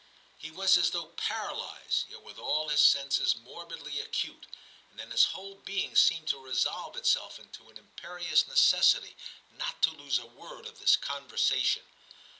He XI TIM 265 was as though paralysed, yet with all his senses morbidly acute ; and then his whole being seemed to resolve itself into an imperious necessity not to lose a word of this conversation.